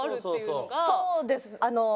そうです。